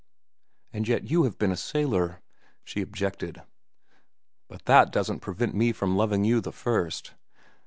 "And yet you have been a sailor," she objected. "But that doesn't prevent me from loving you the first."